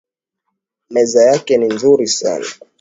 Meza yake ni nzuri sana